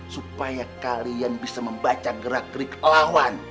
supaya kalian bisa membaca gerak gerik lawan